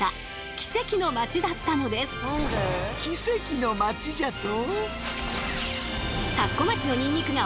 奇跡の町じゃと！？